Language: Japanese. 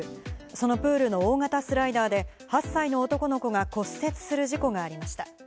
そのプールの大型スライダーで８歳の男の子が骨折する事故がありました。